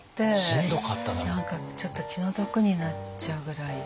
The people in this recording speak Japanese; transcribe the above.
何かちょっと気の毒になっちゃうぐらい。